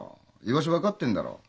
居場所分かってんだろう？